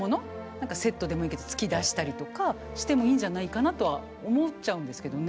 何かセットでもいいけど月出したりとかしてもいいんじゃないかなとは思っちゃうんですけどね。